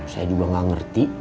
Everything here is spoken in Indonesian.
saya juga gak ngerti